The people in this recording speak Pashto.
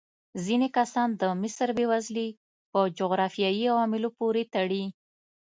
ځینې کسان د مصر بېوزلي په جغرافیايي عواملو پورې تړي.